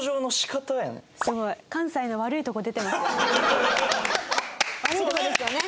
悪いところですよね。